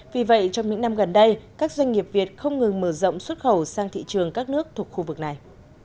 vì vậy trong những năm gần đây các doanh nghiệp việt không ngừng mở rộng xuất khẩu sang thị trường các nước thuộc khu vực này